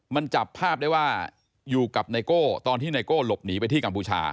มันจับภาพได้ว่าอยู่กับไนโก้ตอนที่ไนโก้หลบหนีไปที่กัมพูชา